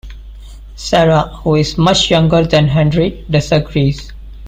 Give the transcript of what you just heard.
Sarah, who is much younger than Henry, disagrees.